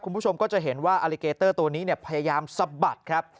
คุณผู้ชมก็จะเห็นว่าอลิเกเตอร์ตัวนี้พยายามสะบัดครับ